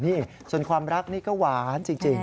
นี่ส่วนความรักนี่ก็หวานจริง